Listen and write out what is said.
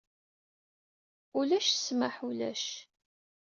Ulac ssmeḥ ulac.